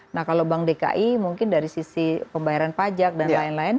nah kalau bank dki mungkin dari sisi pembayaran pajak dan lain lain